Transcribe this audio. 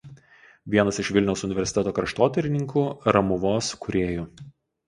Vienas iš Vilniaus universiteto kraštotyrininkų ramuvos kūrėjų.